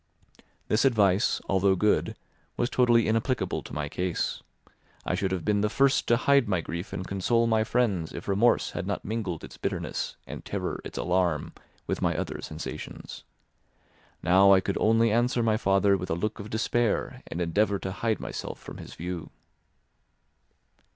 This advice, although good, was totally inapplicable to my case; I should have been the first to hide my grief and console my friends if remorse had not mingled its bitterness, and terror its alarm, with my other sensations. Now I could only answer my father with a look of despair and endeavour to hide myself from his view.